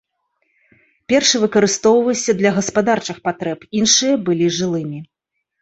Першы выкарыстоўваўся для гаспадарчых патрэб, іншыя былі жылымі.